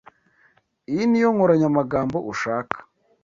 Iyi niyo nkoranyamagambo ushaka?